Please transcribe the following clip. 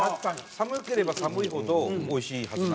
寒ければ寒いほどおいしいはずなんですよね。